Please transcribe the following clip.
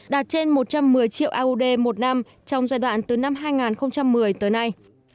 đạt trên một trăm một mươi triệu aod một năm trong giai đoạn từ năm hai nghìn một mươi tới nay